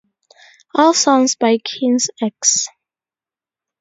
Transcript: All songs by King's X.